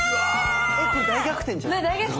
これ大逆転じゃない？ね大逆転！